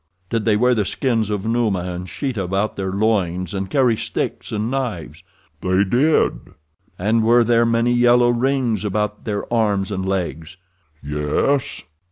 "Did they wear the skins of Numa and Sheeta about their loins, and carry sticks and knives?" "They did." "And were there many yellow rings about their arms and legs?" "Yes."